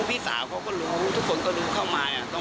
แต่ถ้าอยากจะตีเขาก็ไม่ได้อย่างนี้หรอก